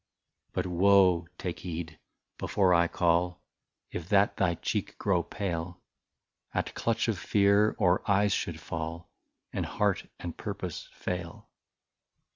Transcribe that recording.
' But woe — take heed — before I call. If that thy cheek grow pale, At clutch of fear, or eyes should fall, And heart and purpose fail.'